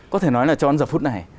có thể nói là trong giờ phút này